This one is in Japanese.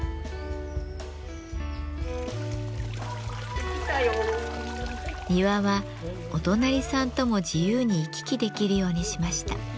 まずは庭はお隣さんとも自由に行き来できるようにしました。